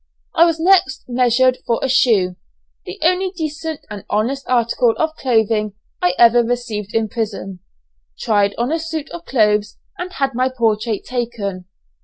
I was next measured for a shoe, the only decent and honest article of clothing I ever received in prison; tried on a suit of clothes, and had my portrait taken.